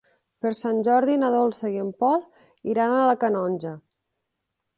Per Sant Jordi na Dolça i en Pol iran a la Canonja.